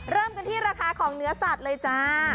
เริ่มกันที่ราคาของเนื้อสัตว์เลยจ้า